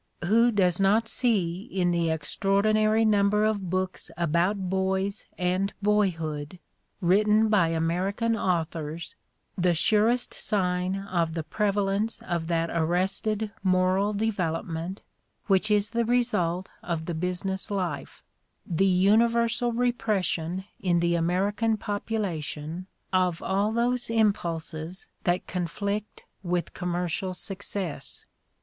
\Who does not see in the extraordinary number of books about boys and boyhood written by American authors the surest sign of the prevalence of that arrested moral development which is the result of the business life, the universal repression in the American population of all^ those impulses that conflict with commercial success